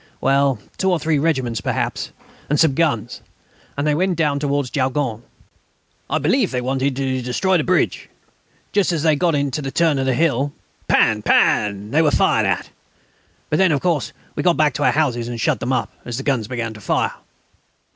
Well, two or three regiments perhaps, and some guns; and they went down again towards Jaulgonne. I believe they wanted to destroy the bridge. But just as they got to the turn of the hill, pan! pan! they were fired at. Then, of course, we got back to our houses and shut them up, as the guns began to fire.